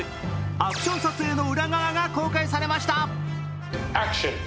アクション撮影の裏側が公開されました。